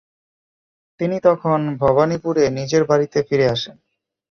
তিনি তখন ভবানীপুরে নিজের বাড়িতে ফিরে আসেন ।